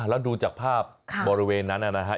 แล้วดูจากภาพบริเวณนั้นนะครับ